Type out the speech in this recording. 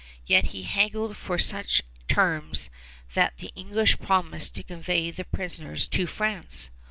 Yet he haggled for such terms that the English promised to convey the prisoners to France.